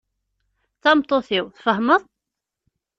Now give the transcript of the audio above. D tameṭṭut-iw, tfahmeḍ?